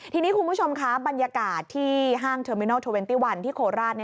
ทีนี้คุณผู้ชมบรรยากาศที่ห้างเทอร์มินอล๒๑ที่โคลาส